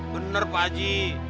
bener pak haji